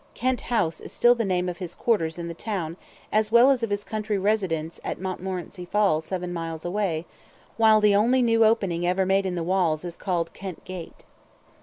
Kent House is still the name of his quarters in the town as well as of his country residence at Montmorency Falls seven miles away, while the only new opening ever made in the walls is called Kent Gate.